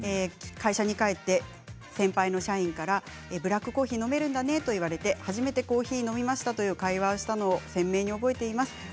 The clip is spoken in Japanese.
会社に帰って先輩の社員からブラックコーヒー飲めるんだなと言われて、初めてコーヒーを飲みましたという会話をしたのを鮮明に覚えています。